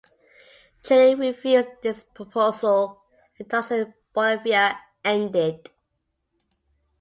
Chile refused this proposal and talks with Bolivia ended.